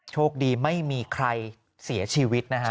โชคดีไม่มีใครเสียชีวิตนะฮะ